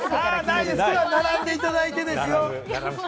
並んでいただいてです。